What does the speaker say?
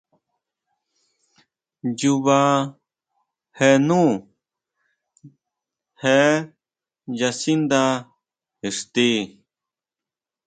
Nnyuba jénú je nyasíndá ixti.